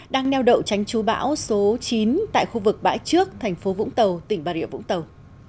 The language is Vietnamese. đang neo đậu tránh chú bão số chín tại khu vực bãi trước thành phố vũng tàu tỉnh bà rịa vũng tàu